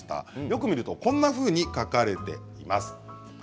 よく見るとこんなふうに書かれています。